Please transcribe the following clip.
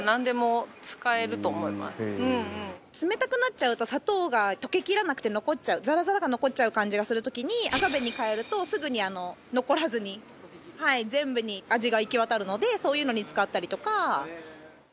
冷たくなっちゃうと砂糖が溶けきらなくて残っちゃうザラザラが残っちゃう感じがする時にアガベに代えるとすぐに残らずに全部に味が行き渡るのでそういうのに使ったりとか。